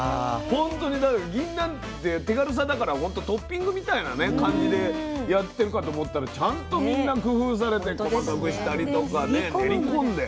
本当にぎんなんって手軽さだからほんとトッピングみたいな感じでやってるかと思ったらちゃんとみんな工夫されて細かくしたりとかね練り込んで。